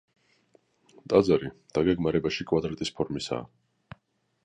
ტაძარი დაგეგმარებაში კვადრატის ფორმისაა.